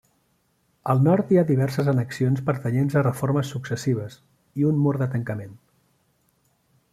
Al nord hi ha diverses annexions pertanyents a reformes successives i un mur de tancament.